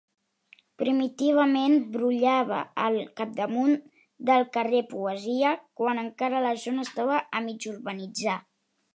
Primitivament brollava al capdamunt del carrer Poesia quan encara la zona estava a mig urbanitzar.